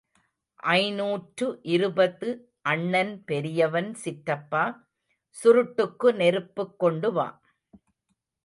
ஐநூற்று இருபது அண்ணன் பெரியவன் சிற்றப்பா, சுருட்டுக்கு நெருப்புக் கொண்டு வா.